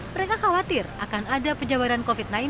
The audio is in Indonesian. mereka khawatir akan ada penyebaran covid sembilan belas